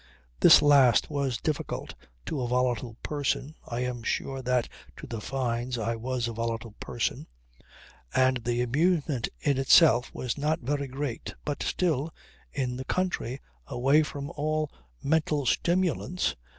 This last was difficult to a volatile person (I am sure that to the Fynes I was a volatile person) and the amusement in itself was not very great; but still in the country away from all mental stimulants!